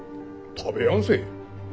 食べやんせ。